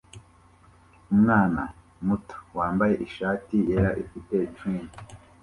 Umwana muto wambaye ishati yera ifite trim